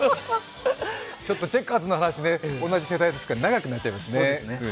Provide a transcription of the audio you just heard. チェッカーズの話、同じ世代ですから長くなってしまいましたね。